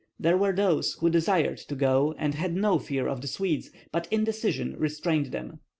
There were those who desired to go and had no fear of the Swedes, but indecision restrained them.